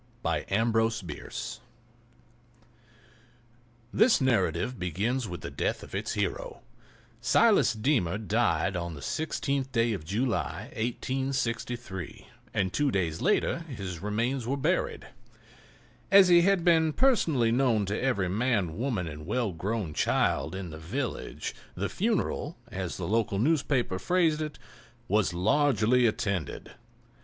A JUG OF SIRUP THIS narrative begins with the death of its hero. Silas Deemer died on the 16th day of July, 1863, and two days later his remains were buried. As he had been personally known to every man, woman and well grown child in the village, the funeral, as the local newspaper phrased it, "was largely attended."